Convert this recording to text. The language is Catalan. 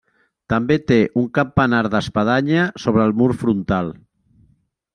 També té un campanar d'espadanya sobre el mur frontal.